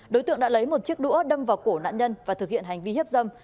đối tượng đã lấy một chiếc đũa đâm vào cổ nạn nhân và thực hiện hành vi hiếp dâm